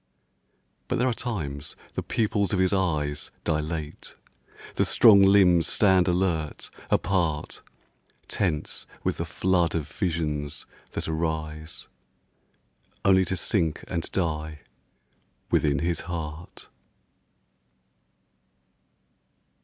But there are times the pupils of his eyes Dilate, the strong limbs stand alert, apart, Tense with the flood of visions that arise Only to sink and die within his heart.